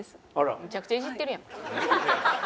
めちゃくちゃイジってるやん。